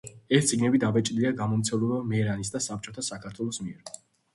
ეს წიგნები დაბეჭდილია გამომცემლობა „მერანის“ და „საბჭოთა საქართველოს“ მიერ.